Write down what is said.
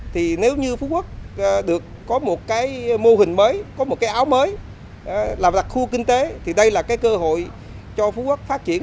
thì nếu như phú quốc được có một cái mô hình mới có một cái áo mới làm đặc khu kinh tế thì đây là cái cơ hội cho phú quốc phát triển